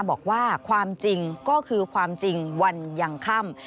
บอกว่าความจริงก็คือความจริงวันยังค่ำ